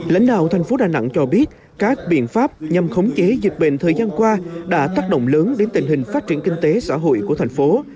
lãnh đạo thành phố đà nẵng cho biết các biện pháp nhằm khống chế dịch bệnh thời gian qua đã tác động lớn đến tình hình phát triển kinh tế xã hội của thành phố